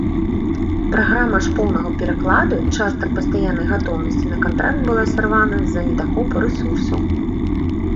Праграма ж поўнага перакладу частак пастаяннай гатоўнасці на кантракт была сарвана з-за недахопу рэсурсаў.